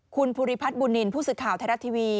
คุณภูริพัฒน์บุนนินผู้ศึกข่าวไทยรัฐทีวี